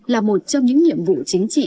là một trong những nhiệm vụ chính trị